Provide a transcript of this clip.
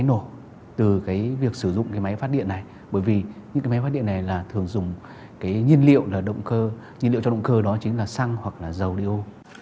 máy nổ từ việc sử dụng máy phát điện này bởi vì những máy phát điện này thường dùng nhiên liệu cho động cơ đó chính là xăng hoặc là dầu đi ô